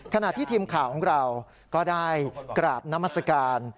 ขณะที่ทีมข่าวของเราก็ได้กราบนามัศกาล